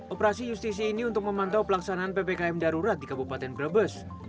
operasi justisi ini untuk memantau pelaksanaan ppkm darurat di kabupaten brebes